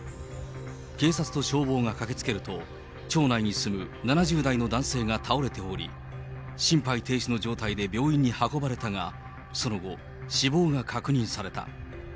警察と消防が駆けつけると、町内に住む７０代の男性が倒れており、心肺停止の状態で病院に運ばれたが、その後、死亡が確認された。